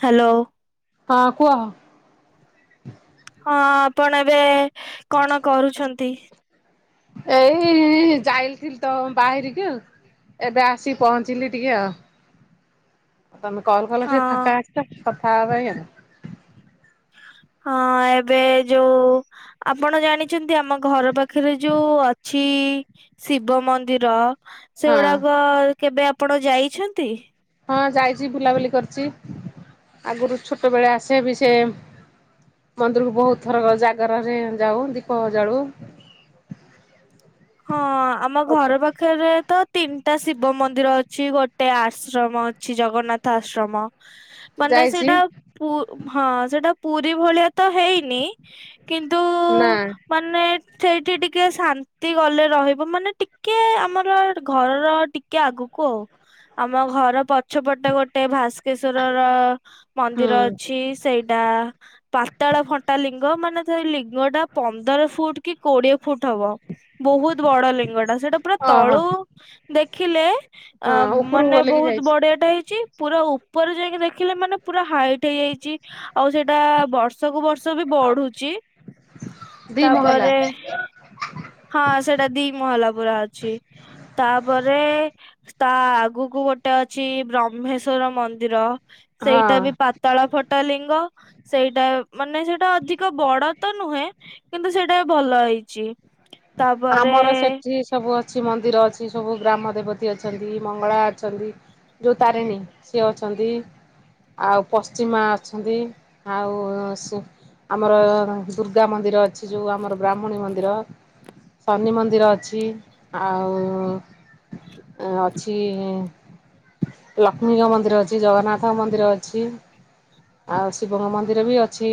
Hello. ହଁ କୁହ। [inaudible] ହଁ ଆପଣ ଏବେ-ଏ-ଏ କଣ କରୁଛନ୍ତି? ଏଇ-ଇ-ଇ-ଇ ଯାଇଥିଲି ତ ବାହାରିକି ଏବେ ଆସିିକି ପହଞ୍ଚିଲି ଟିକେ ଆଉ। ତମେ କଲ୍ କଲ ଅ ଟିକେ ଫାଙ୍କା ଅଛି ତ କଥା ହବାପାଇଁ ଆଉ। ହଁ ଏବେ ଯୋଉ ଆପଣ ଜାଣିଛନ୍ତି ଆମ ଘର ପାଖରେ ଯୋଉ-ଉ-ଉ ଅଛି ଶିବ ମନ୍ଦିର ହଁ ସେଗୁଡାକ କେବେ ଆ ଆପଣ ଯାଇଛନ୍ତି? ହଁ ଯାଇଛି ବୁଲାବୁଲି କରିଛି। ଆଗରୁ ଛୋଟବେଳେ ଆସେ ବି ସେ-ଏ-ଏ ମନ୍ଦିରକୁ ବହୁତ ଥର ଜାଗରରେ ଯାଉ ଦୀପ ଜାଳୁ। ହଁ ଆମ ଘର ପାଖରେ ତ ତିନ ତା ଶିବ ମନ୍ଦିର ଅଛି ଗୋ ଗୋଟେ ଆଶ୍ରମ ଅଛି ଜଗନ୍ନାଥ ଆଶ୍ରମ ମାନେ ଯାଇଛି ସେଇଟା ପୁ ହଁ ସେଟା ପୁରୀ ଭଳିଆ ତ ହେଇନି କିନ୍ତୁ ନା ମାନେ ସେଇଠି ଟିକେ ଶାନ୍ତି ଏତି ଗଲେ ରହିବ ମାନେ ଟିକେ ଆମର ଘରର ଟିକେ ଆଗକୁ ଆଉ ଆମ ଘର ପ ପଛପଟେ ଗୋଟେ ଭାସ୍କେଶ୍ଵରର ହୁଁ ମନ୍ଦିର ଅଛି ସେଇଟା ପାତାଳ ଫଣ୍ଟାଲିିଙ୍ଗ ମାନେ ସେ ଲିଙ୍ଗ ଟା ପନ୍ଦର ଫୁଟ କି କୋଡିଏ ଫୁଟ ହବ ବହୁତ ବଡ ଲିଙ୍ଗ ଟା ସେଇଟା ପୁରା ଓହୋ ତଳୁ ଦେଖିଲେ ଅ ହଁ ଉପରକୁ ମାନେ ଗଲେ କି ବହୁତ ଯାଇଛି। ବଢିଆ ଟା ହେଇଛି ପୁରା ଉ ଉପରେ ଯାଇକି ଦେଖିଲେ ମାନେ ପୁରା ହାଇଟ୍ ହେଇଯାଇଛି ଆଉ ସେଇଟା ବର୍ଷ ସବୁ ବର୍ଷ ବି ବଢୁଛି ଦି ମହଲା ତାପରେ ହଁ ସେଇଟା ଦି ମହଲା ପୁରା ଅଛି ତାପରେ ତା ଆଗକୁ ଗୋଟେ ଅଛି ବ୍ରହ୍ମେଶ୍ଵର ମନ୍ଦିର ସେଇଟା ହଁ ବି ପାତଳ ଫଟା ଲିଙ୍ଗ ସେଇଟା ମାନେ ସେଇଟା ଅଧିକ ବଡ ତ ନୁହେଁ କିନ୍ତୁ ସେଇଟା ବି ଭଲ ହେଇଛି।। ଆମର ତାପରେ ସେଠି ସବୁ ଅଛି।। କିଛି ମନ୍ଦିର ଅଛି ସବୁ ଗ୍ରାମ ଦେବତୀ ଅଛନ୍ତି ମଙ୍ଗଳା ଅଛନ୍ତି ଯୋଉ ତାରିଣୀ ସିଏ ଅଛନ୍ତି। ଆଉ ପଶ୍ଚିମା ଅଛନ୍ତି ଆଉ ଆମର ଦୁର୍ଗା ମନ୍ଦିର ଅ ଅଛି ଯେଉଁ ଆମର ବ୍ରାହ୍ମଣୀ ମନ୍ଦିର ଶନି ମନ୍ଦିର ଅଛି ଆଉ ଅ ଅଛି ଲକ୍ଷ୍ମୀଙ୍କ ମନ୍ଦିର ଅଛି ଜଗନ୍ନାଥ ମନ୍ଦିର ଅଛି ଆଉ ଶିବଙ୍କ ମନ୍ଦିର ବି ଅଛି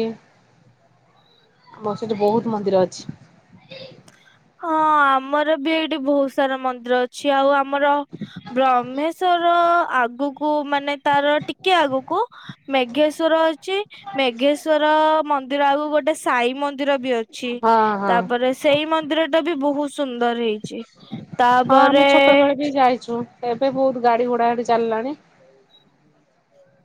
ହଁ ଆମର ବି ଏଇଠି ବହୁତ ସାରା ମନ୍ଦିର ଅଛି ଆଉ ଆ ଆମର ବ୍ରହ୍ମେଶ୍ଵର ର ଆଗୁ କୁ କୁ ମାନେ ତାର ଟିକେ ଆଗକୁ ମେଘେସ ସୁରଜ ଚି ମେଘେଶ୍ଵର ମ ମ ଆଗାକୁ ଗୋଟେ ସାଇ ମ ମନ୍ଦିର ବି ଅଛି ହଁ ହଁ ତାପରେ ସେଇ ମନ୍ଦିର ବହୁ ସୁନ୍ଦର ହେଇଛି ହଁ ଆମେ ତାପରେ ଏ ଛୋଟବେଳେ ବି ଯାଇଛୁ ଏବେ ବହୁତ ଗାଡି ଘୋଡା ସେଠି ଚାଲିଲାଣି।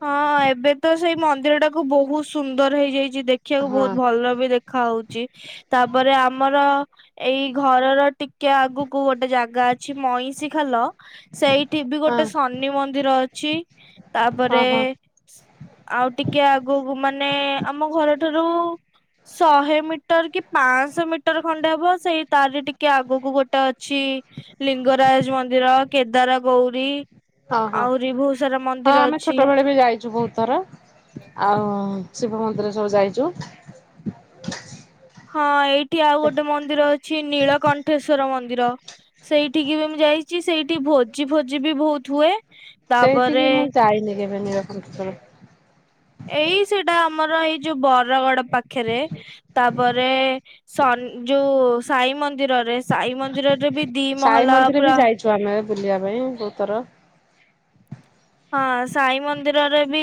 ହଁ ଏବେ ତ ସେଇ ମନ୍ଦିର ଟାକୁ ବହୁତ ସୁନ୍ଦର ହେଇଯାଇଛି। ଛି ଦେଖିବାକୁ ହଁ। ବହୁତ ଭଲ ବି ଦେଖା ହଉ ତାପରେ ଆମର ଏଇ ଘରର ଟିକେ ଆଗକୁ କୁ ଗୋଟେ ଜାଗା ଅଛି ମଇଁଷି ଖାଲ ସେଇଠି ବି ଗୋଟେ ହଁ ଶନି ମନ୍ଦିର ଅ ଛି। ତା ହଁ ପରେ ହଁ ସେ ଆଉ ଟି ଆଗକୁ ମାନେ ଆମ ଘର ଠାରୁ ଶହେ ମିଟର କି ପାଞ୍ଚଶହ ମିଟର ଖଣ୍ଡେ ହବ ସେଇ ତାର ଟିକେ ଆଗକୁ ଗୋଟେ ଅଛି ଲିଙ୍ଗରାଜ ମନ୍ଦିର କେଦାର ଗୌରୀ ଆହୁରି ବହୁତ ସାରା ମନ୍ଦିର ଅ ଛୋଟ ବେଳେ ବି ଯାଇଛୁ ବହୁତ ଥର ଆଉ ହଁ ଶିବ ମନ୍ଦିର ସବୁ ଯାଇଛୁ। ହଁ ଏଇ ଏଠି ଆଉ ଗୋଟେ ମନ୍ଦିର ଅଛି ନୀଳକଣ୍ଠେଶ୍ଵର ମନ୍ଦି ମନ୍ଦିର ସେଇଠିକି ବି ମୁଁ ଯାଇଛି ସେଇଠି ସେ ଭୋଜି ଭୋଜି ବି ବହୁତ ହୁଏ ତାପରେ ବେନିବା ଖୁ କର [inaudible] ଏଇ ସେଟା ଆମର ଏଇ ଯଉ ବ ସୁରଗଡ ପାଖରେ ତାପରେ ସ ଯୋଉ ସାଇ ମନ୍ଦିରରେ ସାଇ ମନ୍ଦିରରେ ବି ଦି ସାଇ ମହଲା ମନ୍ଦିର ବି ପୁରା ଯାଇଛୁ ଆମେ ବୁଲିବା ପାଇଁ ବହୁତ ଥର। ହଁ ସାଇ ମନ୍ଦିରରେ ବି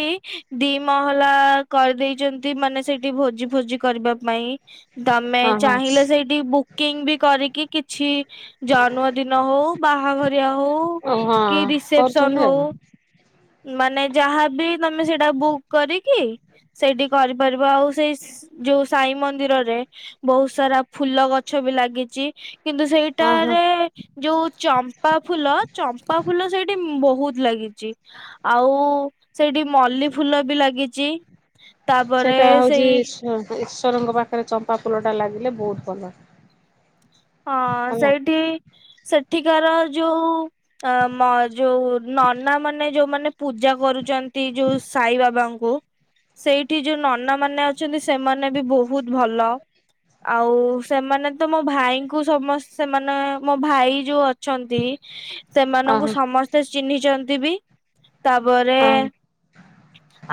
ଦି ମହଲା କରିଦେଇଛନ୍ତି ମାନେ ସେଇଠି ଭୋଜି ଫୋଜି କରିବା ପାଇଁ। ତମେ ହଁ ହଁ। ଚାହିଁଲେ ସେଇଠି ବୁକିଂ ବି କରିକି କିଛି ଜନ୍ମଦିନ ହଉ ବାହାଘରିଆ ହଉ ଓ ହଁ କି କରୁଛନ୍ତି ରିସେପସନ ଆଉ ହଉ, ମାନେ ଯାହା ଏ ବି ତମେ ସେଇଟା ବୁକ୍ କରିକି ସେଇଠି କରିପାରିବ ଆଉ ସେଇ ଯୋଉ ସାଇ ମନ୍ଦିରରେ ବହୁତ ସାରା ଫୁଲ ଗଛ ବି ଲାଗିଛି। କିନ୍ତୁ ହଁ ହଁ। ସେଇଟାରେ ଯୋଉ ଚମ୍ପା ଫୁଲ ଚମ୍ପା ଫୁଲ ସେଇଠି ବହୁତ ଲାଗି ଆଉ ସେଇଠି ମଲ୍ଲି ଫୁଲ ବି ଲାଗିଛି। ଚି। ସେଇଟା ହଉଛି ରଙ୍କ ପାଖରେ ଚମ୍ପା ଫୁଲଟା ଲାଗିଲେ ବହୁତ ଭଲ। ହଁ ହେଲା ସେଇଠି ସେଠିକାର ଯୋଉ ଅ ମ ଯୋଉ ନନା ମାନେ ଯୋଉମାନେ ପୂଜା କରୁଛନ୍ତି ଯୋଉ ସାଇ ବାବାଙ୍କୁ। ସେଇଠି ଯୋଉ ନନା ମାନେ ଅଛନ୍ତି ସେମାନେ ବି ବହୁତ ଭଲ ଆଉ ସେମାନେ ତ ମୋ ଭା କୁ ସମସ୍ତେ ସେମାନେ ମୋ ଭାଇ ଯୋଉ ଅଛନ୍ତି ଅ ସେମାନଙ୍କୁ ହଁ ସମସ୍ତେ ଚିହ୍ନିଛନ୍ତି। ବି। ତାପରେ ହଁ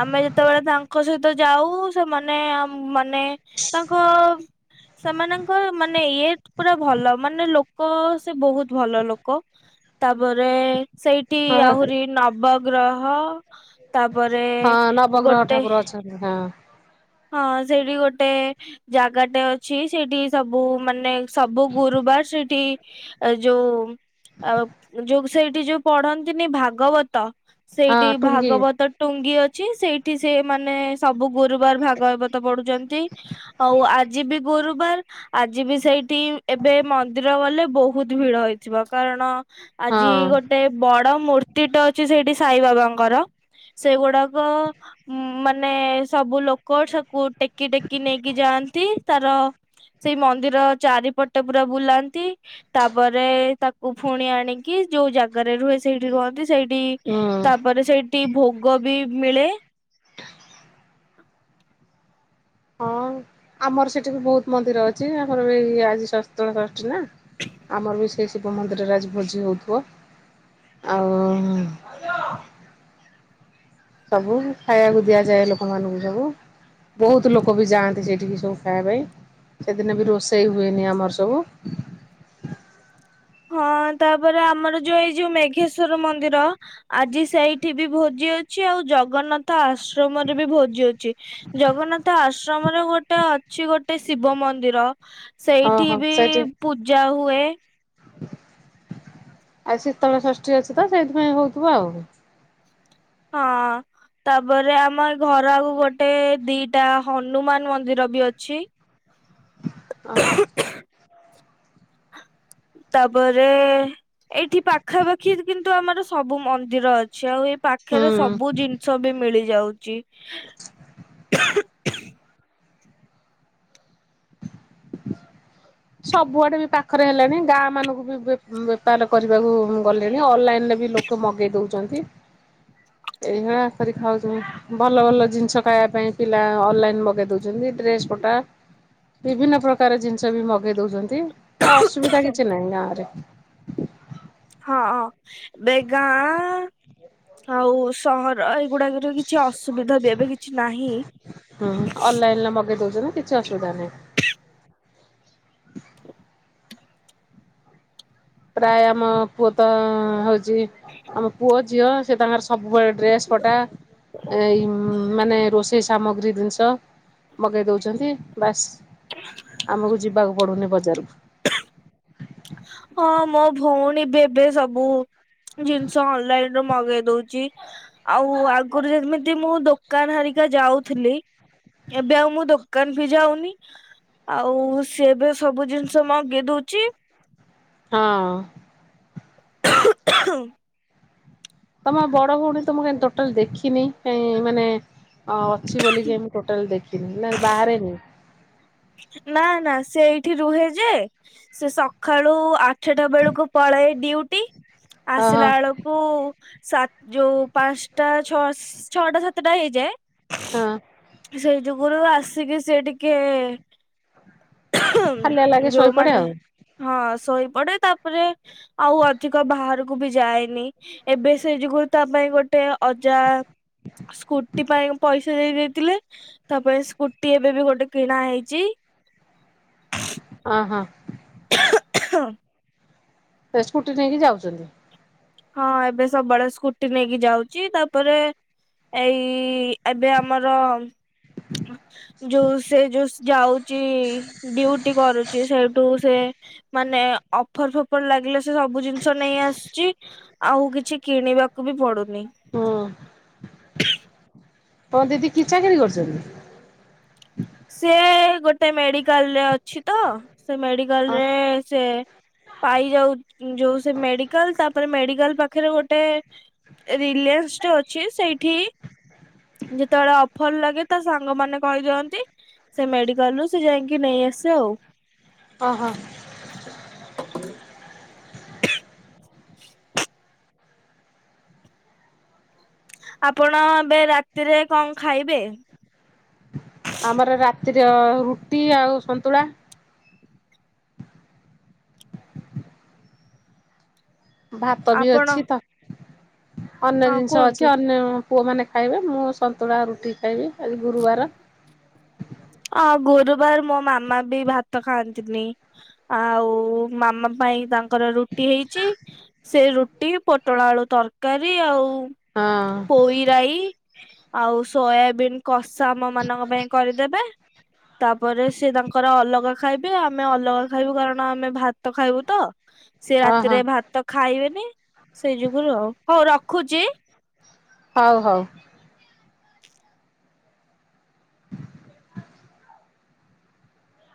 ଆମେ ଯେତେବେଳେ ତାଙ୍କ ସହିତ ଯାଉ ସେମାନେ ମାନେ ତାଙ୍କ ସେମାନଙ୍କ ମାନେ ଇଏ ପୁରା ଭଲ ମାନେ ଲୋକ ସେ ବହୁତ ଭଲ ଲୋକ ତାପରେ ସେଇଠି ହଁ ଆହୁରି ନ ବଗ୍ରହ ହଁ ନବଗ୍ରହ ଠାକୁର ଅଛନ୍ତି ହଁ। ହଁ ସେଇଠି ଗୋଟେ ଜାଗାଟେ ଅଛି ସେଇଠି ସବୁ ମାନେ ସବୁ ଗୁରୁବାର ସେଠି ଯୋଉ ଆଉ ଯଉ ସେଇଠି ଯୋଉ ପଢନ୍ତିନି ଭାଗବତ ହଁ ସେଇଠି ଟୁଙ୍ଗି ଭାଗବତ ଟୁଙ୍ଗି ଅ ଛି ସେଇଠି ସେ ମାନେ ସବୁ ଗୁରୁବାର ଗବତ ପଢୁଛନ୍ତି ଆଉ ଆଜି ବି ଗୁରୁ ବାର ଆଜି ବି ସେଇଠି ଏବେ ମନ୍ଦିର ଗଲେ ବହୁତ ଭିଡ ହେଇଥିବ କାରଣ ଆଜି ହଁ ଗୋଟେ ବଡ ମୂର୍ତ୍ତିଟା ଅଛି ସେଇଠି ସାଇ ବାବାଙ୍କର ସେଗୁଡାକ ମାନେ ସବୁ ଲୋ କୋ ସକୁ ଟେକି ଟେକି ନେଇକି ଯାଆନ୍ତି ତାର ସେଇ ମନ୍ଦିର ଚାରିପଟେ ପୁରା ବୁଲାନ୍ତି। ତାପରେ ତାକୁ ପୁଣି ଆଣିକି ଯୋଉ ଜାଗାରେ ରୁହେ ସେଇଠି ରୁହନ୍ତି ସେଇଠି ହୁଁ। ତାପରେ ସେଇଠି ଭୋଗ ବି ମିଳେ। ହଁ ଆମର ସେଠି ବି ବହୁତ ମନ୍ଦିର ଅଛି ଆମର ବି ଆଜି ସିତଳ ଷଷ୍ଠୀ ନା ଆମର ବି ସେଇ ଶିବ ମନ୍ଦିରରେ ଆଜି ଭୋଜି ହଉଥିବ। ଆଉ ସବୁ ଖାଇବାକୁ ଦିଆଯାଏ ଲୋକମାନଙ୍କୁ। ବୁ ବୋହୁତ ଲୋକବି ଯାଆନ୍ତି ସେଠିକି ସବୁ ଖାଇବା ପାଇଁ ସେଦିନ ବି ରୋଶେଇ ହୁଏନି ଆମର ସବୁ। ହଁ ତାପରେ ଆମର ଯୋଉ ଏଇ ଯୋଉ ମେଘେଶ୍ଵର ମନ୍ଦିର ଆଜି ସେଇଠି ବି ଭୋଜି ଅଛି ଆଉ ଜଗନ୍ନାଥ ଆସ ଆଶ୍ରମରେ ବି ଭୋଜି ଅଛି ଜଗନ୍ନାଥ ଆଶ୍ରମରେ ଗୋଟେ ଅଛି ଗୋ ଗୋଟେ ଶିବ ମନ୍ଦିର ହଁ ସେଇଠି ହଁ ବି ସେଇଠି ପୂଜା ହୁଏ। ଆଉ ଶୀତଳ ଷଷ୍ଠୀ ଅଛି ତ ସେଇଥିପାଇଁ ହଉଥିବ ଆଉ। ହଁ ତାପରେ ଆମ ଘର ଆକୁ ଗୋଟେ ଦିଟା ହନୁମାନ ମନ୍ଦିର ବି ଅଛି। ଅ ତାପରେ ଏଇଠି ପାଖାପାଖି କିନ୍ତୁ ଆମର ସବୁ ମନ୍ଦି ନ୍ଦିର ଅଛି ଆଉ ଏ ପାଖରେ ହୁଁ ସବୁ ଜିନିଷ ବି ମିଳି ଯାଉ ଚି। [inaudible] ସବୁଆଡେ ବି ପାଖରେ ହେଲାଣି ଗାଁ ମାନଙ୍କୁ ବି ବେପାର କରି ଗଲେଣି ଅନଲାଇନ ରେ ବି ଲୋକ ଲୋକ ମଗେଇ ଦଉଛନ୍ତି। ଏଇଭଳି କରି ଖାଉଛନ୍ତି ଭଲ ଭଲ ଜିନିଷ ଖାଇବା ପାଇଁ ପିଲା ଅନଲାଇନ ମଗେଇ ଦଉଛନ୍ତି ଡ୍ରେସ ପଟା ବିଭିନ୍ନ ପ୍ରକାର ଜିନିଷ ବି ମଗେଇ ଦଉଛନ୍ତି। ଆଉ ଅସୁବିଧା କିଛି ନାହିଁ ଗାଁ ରେ। ହଁ ଏବେ ଗାଁ ଆଉ ସହର ଏ ନାହିଁ। ହଁ ଅନଲାଇନରେ ମଗେଇ ଦଉଛ ନା କିଛି ଅସୁବିଧା ନାହିଁ। [unintelligible] ପ୍ରାୟ ଆମ ପୁଅତ ହଉଛି ଆମ ପୁଅ ଝିଅ ସେ ତାଙ୍କର ସବୁବେଳେ ଡ୍ରେସ୍ ପଟା ଏ ମାନେ ରୋଷେଇ ସାମଗ୍ରୀ ଜିନିଷ ମଗାଇ ଦେଉଛନ୍ତି। ବାସ୍ ଆମକୁ ଯିବାକୁ ପଡୁନି ପଚ ଜରୁ ହଁ ମୋ ଭଉଣୀ ବି ଏବେ ସବୁ ଜିନିଷ ଅନଲାଇନ ରୁ ମଗେଇ ଦଉଛି ଆଉ ଆଗରୁ ଯେମିତି ମୁଁ ଦୋକାନ ହାରିକା ଯାଉଥିଲି ଏବେ ଆଉ ମୁଁ ଦୋକାନ ବି ଯାଉନି ଆଉ ସ ଏବେ ସବୁ ଜିନିଷ ମଗେଇ ଦଉଛି। ହଁ। [inaudible] ତମ ବଡ ଭଉଣୀ ତ ମୁଁ ଟୋଟାଲ ଦେଖିନି କାଇଁ ମାନେ ଅଛି ବୋଲି ଟୋଟାଲ ଦେଖିନି ନା ବାହାରେନି। ନା ନା ସେ ଏଇଠି ରୁହେ ଯେ ସେ ସକାଳୁ ଆଠ ଛୋଟ ବେଳକୁ ପଳାଏ ଡ୍ୟୁଟି ଅ ହଁ ଆସିଲା ବେଳକୁ ସାତ ଯୋଉ ପାଞ୍ଚଟା ଛ ଛଅଟା ସାତଟା ହଁ ହେଇଯାଏ। ସେଇ ଯୁଗରୁ ଆସିକି ସେ ଟିକେ ହାଲିଆ ଲାଗେ ଶୋଇପଡେ ଯୋଉମାନେ ଆଉ ହଁ ଶୋଇ ପଡେ ତାପରେ ଆଉ ଅଧିକ ବାହାରକୁ ବି ଯାଏନି ଏବେ ସେ ଯୁଗୁରୁ ତା ପାଇଁ ଗୋଟେ ଅଜା ସ୍କୁଟି ପାଇଁ ପଇସା ସେ ଦେଇ ଦେଇଥିଲେ, ତାପରେ ସ୍କୁଟି ଏବେ ବି ଗୋଟେ କିଣା ହେଇଛି। [unintelligible] ଅ ହଁ। ହଁ। ସ୍କୁଟି ନେଇକି ଯାଉଛନ୍ତି। ହଁ ଏବେ ସବୁବେଳେ ସ୍କୁଟି ନେଇକି ଯାଉଛି, ତାପରେ ଏଇ ଏବେ ଆମର ଯୋଉ ସେ ଯୋଉ ଯାଉ। ଡିଉଟି କରୁଛି ସେଇଠୁ ସେ ମାନେ ଅଫର ଫଫର ଲାଗିଲ ସେ ସବୁ ଜିନିଷ ନେଇ ଆସୁଛି। ଆଉ କିଛି କିଣିବାକୁ ବି ପଡୁଛି। ହୁଁ [inaudible] ହଁ ଦିଦି କି ଚାକିରି କରୁଛନ୍ତି? ସିଏ ଗୋଟେ ମେଡିକାଲରେ ଅଛି ତ। ସେ ଅ ମେଡିକାଲରେ ସେ ପାଇ ଯାଉ ଯୋଉ ସେ ମେଡିକାଲ ତାପରେ ମେଡିକାଲ ପାଖରେ ଗୋଟେ ରିଲାଏନ୍ସ ଟେ ଅ ଛି ସେଇ ଠି ଯେତେବେଳେ ଅଫର ଲାଗେ। ତ ସାଙ୍ଗମାନେ କହିଦିଅନ୍ତି। ମେଡିକଲରୁ ସେ ଯାଇଁକି ନେଇ ଆ ଓହୋ। ଆପଣ ଏବେ ରାତିରେ କଣ ଖାଇବେ? ଆମର ରାତିରେ ରୁଟି ଆଉ ସନ୍ତୁଳା। ଭାତ ବି ଆପଣ ଅଛି ତ। ଅନ୍ୟ ହଁ ଜିନିଷ ଅଛି କୁହନ୍ତୁ ଅନ୍ୟ। ପୁଅମାନେ ଖାଇବେ ମୁଁ ସନ୍ତୁଳା ରୁଟି ଖାଇବି ଆଜି ଗୁରୁବାର। ଅ ଗୁରୁବାର ମୋ ମା। ମାମା ବି ଭାତ ଖାଆନ୍ତିନି। ଆଉ ମାମା ପାଇଁ ତାଙ୍କର ରୁଟି ହେଇଛି ସେ ରୁଟି ପୋଟଳ ଆଳୁ ତରକାରୀ ଆଉ ହଁ। ପୋଇରାଇ ଆଉ ସୋୟାବିନ୍। କସା ଆମ ମାନଙ୍କ ପାଇଁ କରିଦେବେ ତାପରେ ସେ ତାଙ୍କର ଅଲଗା ଖାଇବେ ଆମେ ଅଲଗା ଖାଇବୁ କାରଣ ଆମେ ଭାତ ଖାଇବୁ ତ ସେ ହଁ ହଁ ରାତିରେ ଭାତ ଖାଇବେନି ସେଇ ଯୁଗୁରୁ ହଉ ରଖ୍ ଖୁଜି ହଉ ହଉ।